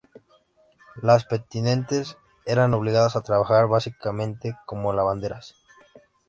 Las "penitentes" eran obligadas a trabajar básicamente como lavanderas.